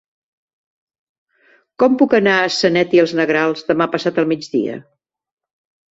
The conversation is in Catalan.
Com puc anar a Sanet i els Negrals demà passat al migdia?